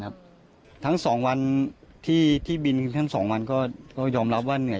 ทั้งสองวันที่ที่บินทั้งสองวันก็ก็ยอมรับว่าเนี่ย